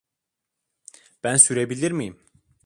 Ben sürebilir miyim?